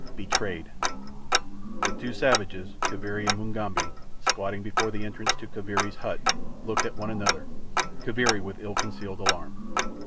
Betrayed The two savages, Kaviri and Mugambi, squatting before the entrance to Kaviri's hut, looked at one another—Kaviri with ill concealed alarm.